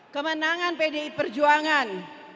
kemenangan pdi perjuangan